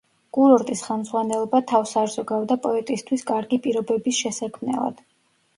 კურორტის ხელმძღვანელობა თავს არ ზოგავდა პოეტისთვის კარგი პირობების შესაქმნელად.